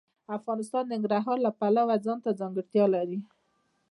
افغانستان د ننګرهار د پلوه ځانته ځانګړتیا لري.